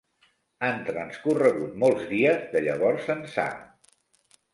Han transcorregut molts dies, de llavors ençà.